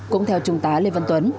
cũng theo trung tá lê văn tuấn